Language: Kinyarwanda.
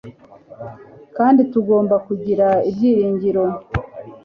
kandi tugomba kugira ibyiringiro